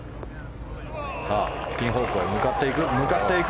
ピン方向に向かっていく。